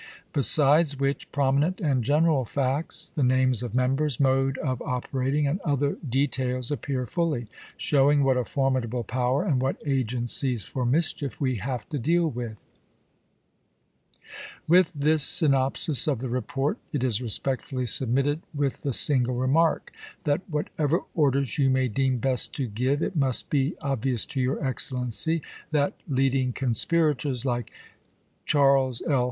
" Besides which prominent and general facts, the names of members, mode of operating, and other details appear fully, showing what a formidable power and what agencies for mischief we have to deal with. CONSPIKACIES IN THE NORTH 13 " With this synopsis of the report it is respectfully chap. i. submitted with the single remark — that whatever orders you may deem best to give, it must be ob vious to your Excellency that leading conspirators like Chas. L.